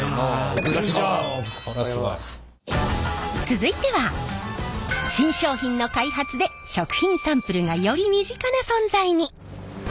続いては新商品の開発で食品サンプルがより身近な存在に！